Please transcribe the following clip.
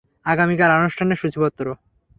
আগামীকাল অনুষ্ঠানের সূচিপত্র।